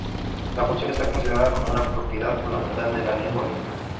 La función está considerada como "una propiedad fundamental de la lengua misma".